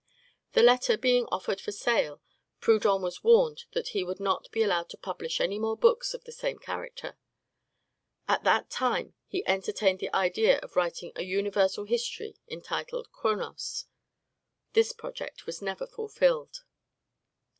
The latter being offered for sale, Proudhon was warned that he would not be allowed to publish any more books of the same character. At that time he entertained the idea of writing a universal history entitled "Chronos." This project was never fulfilled.